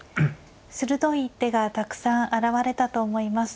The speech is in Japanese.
鋭い一手がたくさん現れたと思います。